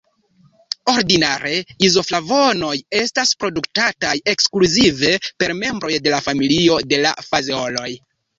Ordinare izoflavonoj estas produktataj ekskluzive per membroj de la familio de la fazeoloj.